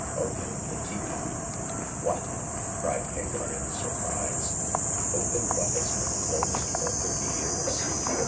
Open the teapot." "What!" cried Hagar, in surprise — "open what has been closed for thirty years